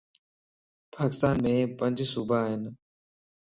پاڪستان ءَ مَ پنج صوبا ائين